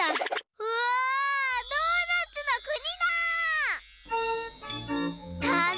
うわドーナツのくにだ！